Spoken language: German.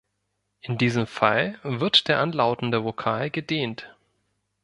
In diesem Fall wird der anlautende Vokal gedehnt.